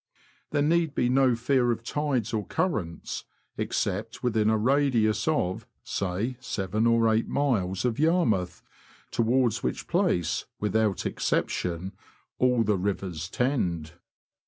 There need be no fear of tides or currents, except within a radius of, say, seven or eight miles of Yarmouth, towards which place, without exception, all the rivers tend.